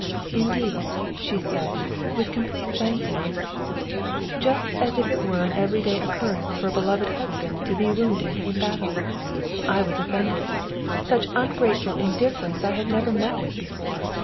"Indeed?" she said, with complete sangfroid. Just as if it were an every day occurrence for a beloved husband to be wounded in battle. I was offended. Such ungrateful indifference I had never met with before.